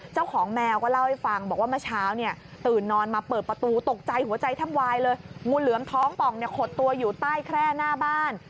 เจ้าของแมวก็เล่าให้ฟังบอกว่าเมื่อเช้าเนี่ยตื่นนอนมาเปิดประตูตกใจหัวใจท่ำวายเลยงูเหลือมท้องป่องเนี่ยขดตัวอยู่ใต้แคร่หน้าบ้าน